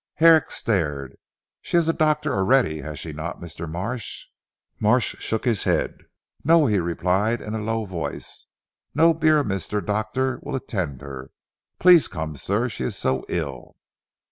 Herrick stared. "She has a doctor already has she not Mr. Marsh?" Marsh shook his head. "No," he replied in a low voice "no Beorminster doctor will attend her. Please come sir. She is so ill."